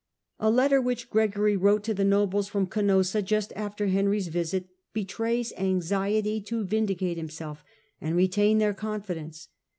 A letter which Gregory wrote to the nobles from Canossa just after Henry's visit betrays anxiety to vindicate himself and retain their confidence.